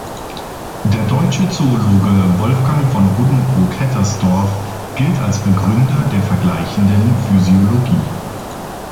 Der deutsche Zoologe Wolfgang von Buddenbrock-Hettersdorff gilt als Begründer der vergleichenden Physiologie.